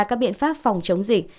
các biện pháp phòng chống dịch